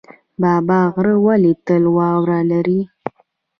بابا غر ولې تل واوره لري؟